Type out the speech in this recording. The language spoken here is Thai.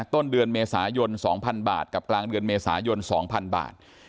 ต้นเดือนเมษายน๒๐๐บาทกับกลางเดือนเมษายน๒๐๐บาท